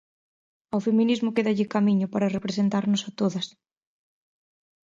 Ao feminismo quédalle camiño para representarnos a todas.